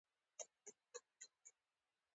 زه خو په دې شیانو باندي کار کوم.